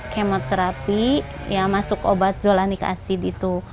kemoterapi ya masuk obat zolanik asid itu